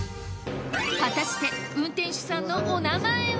果たして運転手さんのお名前は？